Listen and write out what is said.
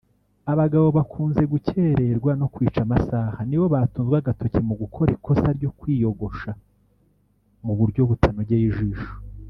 Abagabo bakunze gukererwa no kwica amasaha nibo batunzwe agatoki mu gukora ikosa ryo kwiyogosha mu buryo butanogeye ijisho